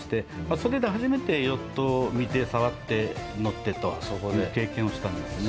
それで初めてヨットを見て触って乗ってという経験をしたんですね。